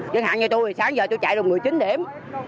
chẳng hạn như tôi sáng giờ tôi chạy được một mươi chín điểm